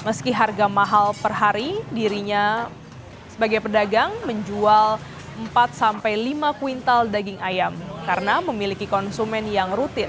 meski harga mahal per hari dirinya sebagai pedagang menjual empat sampai lima kuintal daging ayam karena memiliki konsumen yang rutin